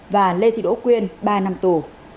và lê thị đỗ quyên ba năm tù